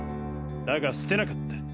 だが捨てなかった。